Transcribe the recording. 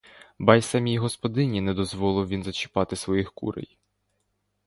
Ба й самій господині не дозволяв він зачіпати своїх курей.